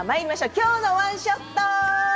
「きょうのワンショット」